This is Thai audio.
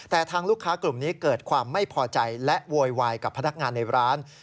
แต่ทางลูกค้ากลุ่มนี้เกิดความไม่พอใจและโวยวายกับพนักงานในร้าน